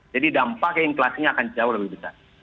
jadi dampak inflasinya akan jauh lebih besar